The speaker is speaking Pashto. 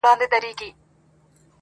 • شمعي ته به نه وایې چي مه سوځه -